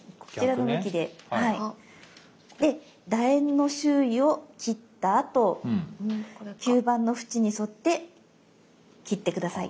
でだ円の周囲を切ったあと吸盤の縁に沿って切って下さい。